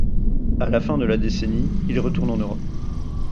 À la fin de la décennie, il retourne en Europe.